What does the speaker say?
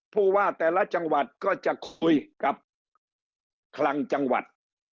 ผู้ว่าแต่ละจังหวัดก็จะคุยกับคลังจังหวัด